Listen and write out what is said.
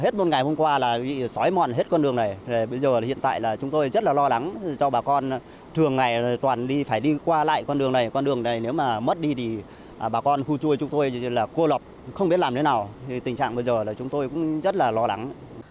thế thì bà con khu chuôi chúng tôi là cô lọc không biết làm thế nào tình trạng bây giờ là chúng tôi cũng rất là lo lắng